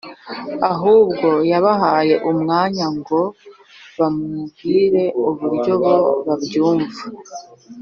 ahubwo yabahaye umwanya ngo bamubwire uburyo bo babyumva.